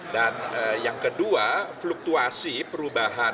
dan yang kedua fluktuasi perubahan